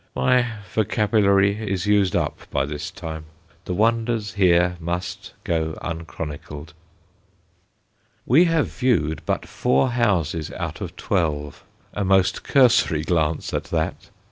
My vocabulary is used up by this time. The wonders here must go unchronicled. We have viewed but four houses out of twelve, a most cursory glance at that!